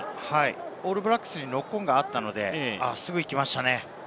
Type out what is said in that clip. オールブラックスにノックオンがあったので真っすぐ行きましたね。